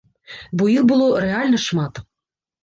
Бо іх было рэальна шмат.